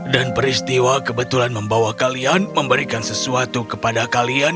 dan peristiwa kebetulan membawa kalian memberikan sesuatu kepada kalian